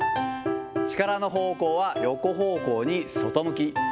力の方向は横方向に外向き。